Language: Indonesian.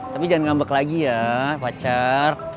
tapi jangan ngambek lagi ya pacar